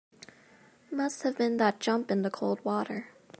Must have been that jump in the cold water.